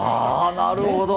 なるほど。